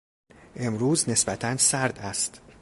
امروز نسبتا سرد است.